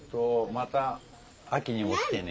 また秋にも来てね。